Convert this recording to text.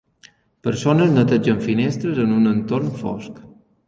persones netegen finestres en un entorn fosc